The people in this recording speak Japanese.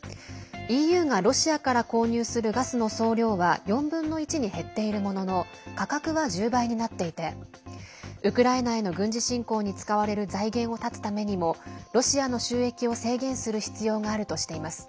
ＥＵがロシアから購入するガスの総量は４分の１に減っているものの価格は１０倍になっていてウクライナへの軍事侵攻に使われる財源を絶つためにもロシアの収益を制限する必要があるとしています。